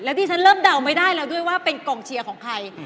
ที่ฉันเริ่มเดาไม่ได้แล้วด้วยว่าเป็นกองเชียร์ของใคร